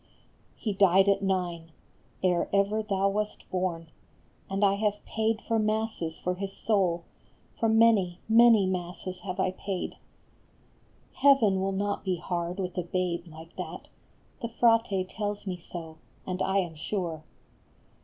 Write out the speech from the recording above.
He died at nine, ere ever thou wast born, And I have paid for masses for his soul, A FLORENTINE JULIET. IOI For many, many masses have I paid ; Heaven will not be hard with a babe like that, The Frate tells me so, and I am sure.